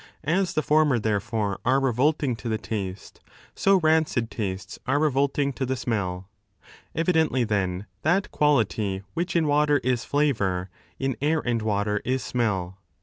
As the former, therefore, are revolting to the taste, so rancid tastes are revolting to the smell. Evidently, then, that quality which in water is flavour, in air and water is smell.